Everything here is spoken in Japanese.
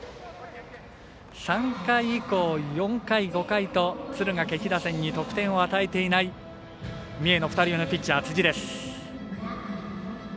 ３回以降、４回、５回と敦賀気比打線に得点を与えていない三重の２人目のピッチャー、辻。